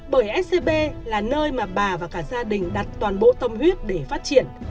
bởi scb là nơi mà bà và cả gia đình đặt toàn bộ tâm huyết để phát triển